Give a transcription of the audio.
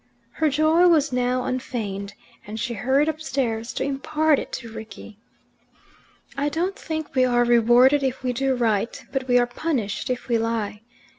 Her joy was now unfeigned, and she hurried upstairs to impart it to Rickie. "I don't think we are rewarded if we do right, but we are punished if we lie.